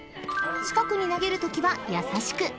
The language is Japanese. ［近くに投げるときは優しく］